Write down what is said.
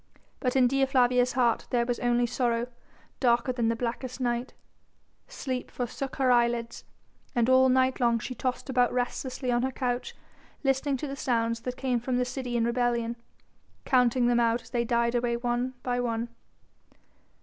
But in Dea Flavia's heart there was sorrow darker than the blackest night, sleep forsook her eyelids, and all night long she tossed about restlessly on her couch listening to the sounds that came from the city in rebellion, counting them out as they died away one by one.